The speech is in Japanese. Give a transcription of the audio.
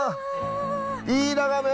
いい眺め！